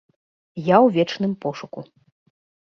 Я ў вечным пошуку.